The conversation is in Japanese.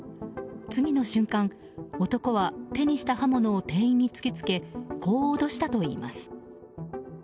次の瞬間、男は手にした刃物を店員に突き付けこう脅したといいます。